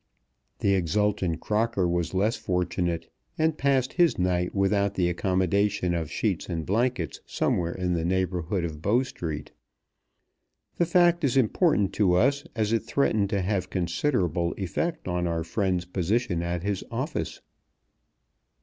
The exultant Crocker was less fortunate, and passed his night without the accommodation of sheets and blankets somewhere in the neighbourhood of Bow Street. The fact is important to us, as it threatened to have considerable effect upon our friend's position at his office.